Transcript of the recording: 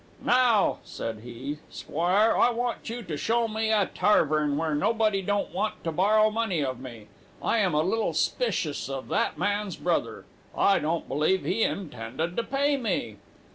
"'Now,' said he, 'squire, I want you tu show me a tarvern where nobody won't want tu borrow money of me. I am a little 'spicious of that man's brother. I don't believe he intended to pay me.'